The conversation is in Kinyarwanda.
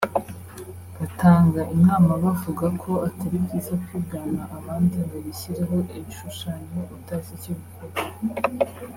Batanga inama bavuga ko atari byiza kwigana abandi ngo wishyireho ibishushanyo utazi icyo bivuga